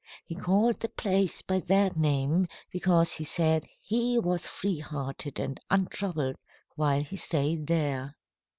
He called the place by that name because he said he was free hearted and untroubled while he stayed there.